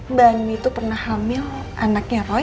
mbak ani itu pernah hamil anaknya roy